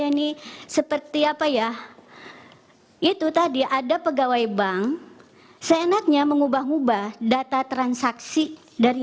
ini seperti apa ya itu tadi ada pegawai bank seenaknya mengubah ubah data transaksi dari